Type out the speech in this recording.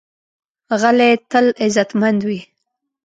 غلی، تل عزتمند وي.